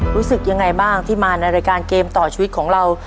รู้สึกยังไงบ้างที่มาในรายการเกมต่อชีวิตของเรา